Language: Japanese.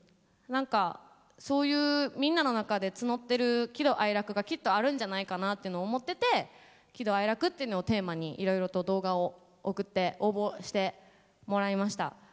何かそういうみんなの中で募ってる喜怒哀楽がきっとあるんじゃないかなっていうのを思ってて喜怒哀楽っていうのをテーマにいろいろと動画を送って応募してもらいました。